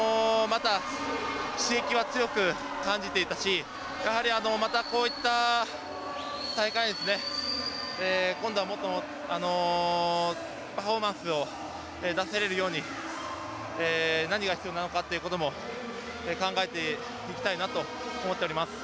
また刺激は強く感じていたしやはりまたこういった大会でですね今度はもっとパフォーマンスを出せれるように何が必要なのかということも考えていきたいなと思っております。